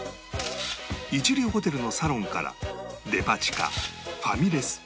一流ホテルのサロンからデパ地下ファミレス